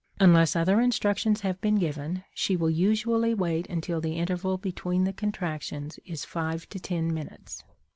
Unless other instructions have been given, she will usually wait until the interval between the contractions is five to ten minutes.